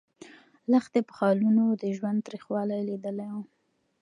لښتې په خالونو د ژوند تریخوالی لیدلی و.